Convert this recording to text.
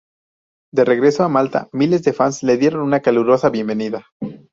De regreso a Malta miles de fans le dieron una calurosa bienvenida.